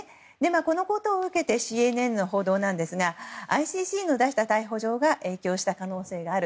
このことを受けてＣＮＮの報道ですがＩＣＣの出した逮捕状が影響した可能性がある。